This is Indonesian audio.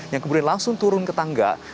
yang kemudian langsung turun ke tangga